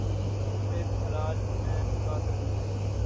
رزق حلال عین عبادت ہے